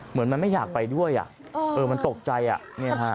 เหมือนมันไม่อยากไปด้วยอ่ะเออมันตกใจอ่ะเนี่ยฮะ